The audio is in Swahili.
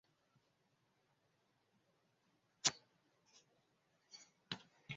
Mwanzoni walikuwa wanne.